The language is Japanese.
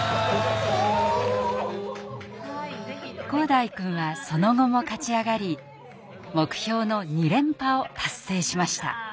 紘大くんはその後も勝ち上がり目標の２連覇を達成しました。